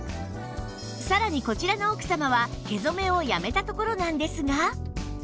さらにこちらの奥様は毛染めをやめたところなんですが